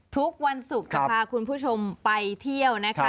ทุกวันศุกร์จะพาคุณผู้ชมไปเที่ยวนะคะ